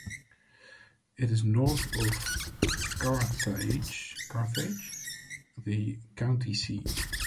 It is north of Carthage, the county seat.